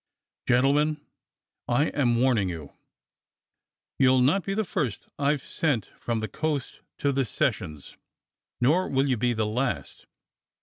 Gentlemen, I am warning you. You'll not be the first I've sent from the coast to the sessions, nor will you be the last.